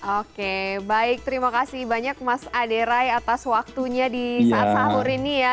oke baik terima kasih banyak mas aderai atas waktunya di saat sahur ini ya